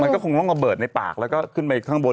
มันก็คงล่องอบบิดในปากแล้วเข้าไปข้างบน